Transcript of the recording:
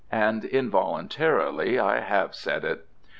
And involuntarily I have said it.